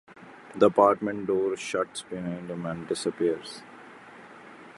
The apartment door shuts behind him and disappears.